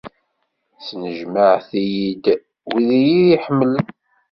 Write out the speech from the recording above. Snejmaɛet-iyi-d wid i iyi-iḥemmlen.